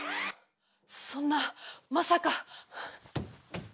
そんなまさか。